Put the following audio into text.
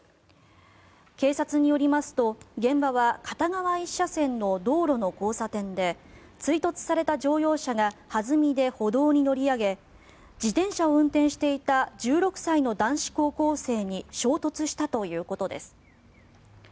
警察によりますと、現場は片側１車線の道路の交差点で追突された乗用車が弾みで歩道に乗り上げ自転車を運転していた１６歳の男子高校生に衝突したということです。